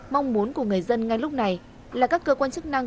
mong muốn của người dân ngay lúc này là các cơ quan chức năng